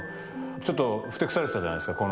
ちょっとふてくされてたじゃないですか。